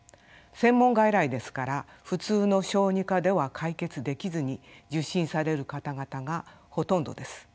専門外来ですから普通の小児科では解決できずに受診される方々がほとんどです。